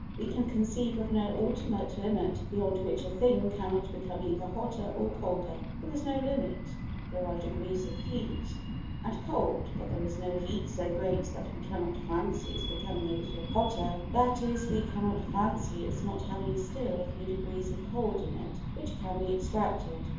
We can conceive of no ultimate limit beyond which a thing cannot become either hotter or colder, there is no limit; there are degrees of heat and cold, but there is no heat so great that we cannot fancy its becoming a little hotter, that is we cannot fancy its not having still a few degrees of cold in it which can be extracted.